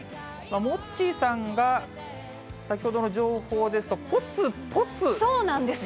モッチーさんが先ほどの情報ですと、そうなんですよ。